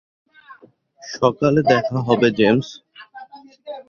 সকালে দেখা হবে, জেমস।